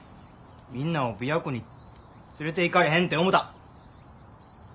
みんなを琵琶湖に連れていかれへんて思た。